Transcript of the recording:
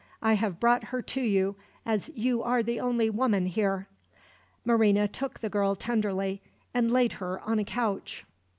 I have brought her to you, as you are the only woman here." Marina took the girl tenderly, and laid her on a couch.